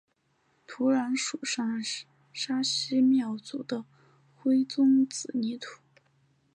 土壤属上沙溪庙组的灰棕紫泥土。